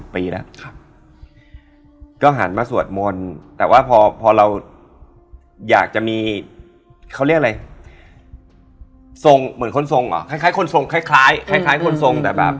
พอเขารู้ว่าเราแบบ